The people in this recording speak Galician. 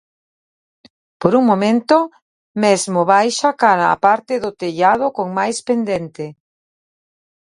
Por un momento, mesmo baixa cara a parte do tellado con máis pendente.